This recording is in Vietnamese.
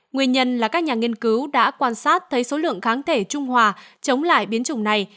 nguyên nhân là các nhà nghiên cứu đã quan sát thấy số lượng kháng thể trung hòa chống lại biến chủng này